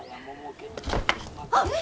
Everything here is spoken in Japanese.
あ。